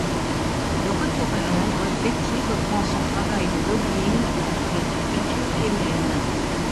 De retour à Londres, Betty reprend son travail de lobbying contre la dictature hellène.